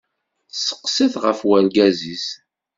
Testeqsa-t ɣef urgaz-is.